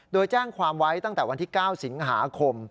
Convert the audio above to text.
โดยแจ้งความไว้ตั้งแต่วันที่๙สิงหาคม